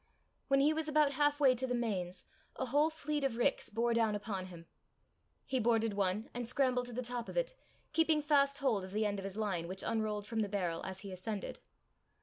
When he was about half way to the Mains, a whole fleet of ricks bore down upon him. He boarded one, and scrambled to the top of it, keeping fast hold of the end of his line, which unrolled from the barrel as he ascended.